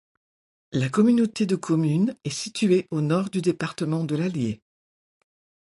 La communauté de communes est située au nord du département de l'Allier.